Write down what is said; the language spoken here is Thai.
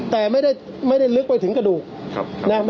แต่ไม่ได้ลึกไปถึงกระดูกครับครับน่ะ